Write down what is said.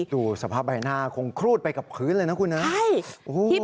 ดูสภาพใบหน้าคงครูดไปกับพื้นเลยนะคุณนะ